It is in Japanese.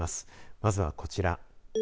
まずはこちら。